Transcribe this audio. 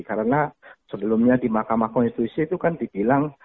karena sebelumnya di makamah konstitusi itu kan dibilang